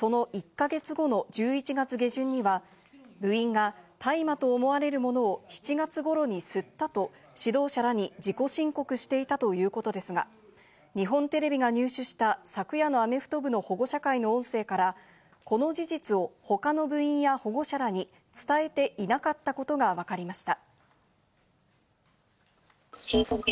そして、その１か月後の１１月下旬には部員が大麻と思われるものを７月ごろに吸ったと指導者らに自己申告していたということですが、日本テレビが入手した、昨夜のアメフト部の保護者会の音声からこの事実を他の部員や保護者らに伝えていなかったことがわかりました。